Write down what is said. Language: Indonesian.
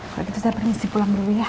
kalau gitu saya permisi pulang dulu ya